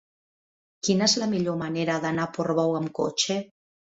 Quina és la millor manera d'anar a Portbou amb cotxe?